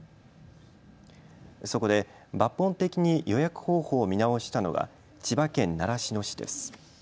そこで抜本的に予約方法を見直したのが千葉県習志野市です。